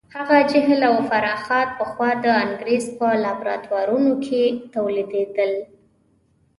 هغه جهل او خرافات پخوا د انګریز په لابراتوارونو کې تولیدېدل.